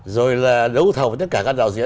rồi là đấu thầu với tất cả các đạo diễn